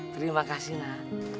terima kasih nak